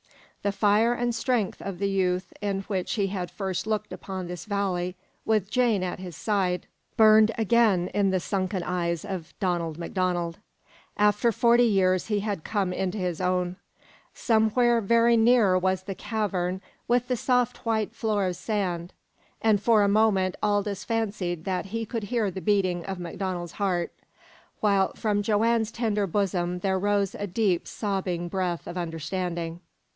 The fire and strength of the youth in which he had first looked upon this valley with Jane at his side burned again in the sunken eyes of Donald MacDonald. After forty years he had come into his own. Somewhere very near was the cavern with the soft white floor of sand, and for a moment Aldous fancied that he could hear the beating of MacDonald's heart, while from Joanne's tender bosom there rose a deep, sobbing breath of understanding.